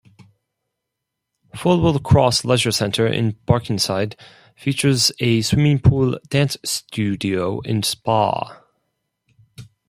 Fullwell Cross Leisure Centre, in Barkingside features a swimming pool, dance studio and spa.